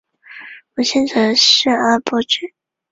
母亲是侧室阿波局。